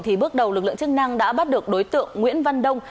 thì bước đầu lực lượng chức năng đã bắt được đối tượng nguyễn văn đông